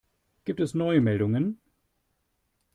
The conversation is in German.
Gibt es neue Meldungen?